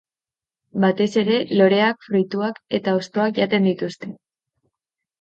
Batez ere loreak, fruituak eta hostoak jaten dituzte.